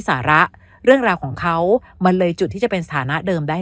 สาระเรื่องราวของเขามันเลยจุดที่จะเป็นสถานะเดิมได้